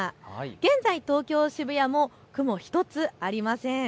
現在東京渋谷も雲一つありません。